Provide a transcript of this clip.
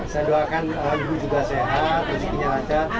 saya doakan ibu juga sehat rezekinya lancar